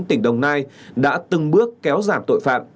công an thành phố long khánh tỉnh đồng nai đã từng bước kéo giảm tội phạm